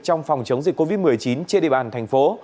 trong phòng chống dịch covid một mươi chín trên địa bàn thành phố